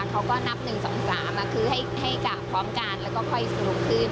เขาก็นับ๑๒๓คือให้กลับพร้อมกันแล้วก็ค่อยสนุกขึ้น